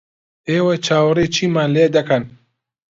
ئێوە چاوەڕێی چیمان لێ دەکەن؟